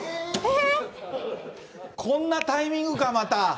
こんなタイミングか、また。